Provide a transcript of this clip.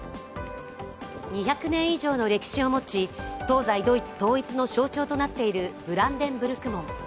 ２００年以上の歴史を持ち、東西ドイツ統一の象徴となっているブランデンブルク門。